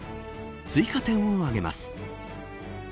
追加点を挙げます。